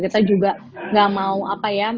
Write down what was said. kita juga gak mau apa ya